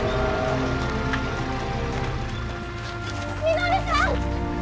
稔さん！